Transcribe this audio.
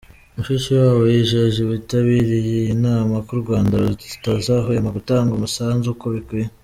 Mushikiwabo yijeje abitabiriye iyi nama ko u Rwanda rutazahwema gutanga umusanzu uko bikwiye.